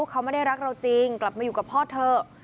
เขาไม่ได้รักเราจริงกลับมาอยู่กับพ่อเถอะ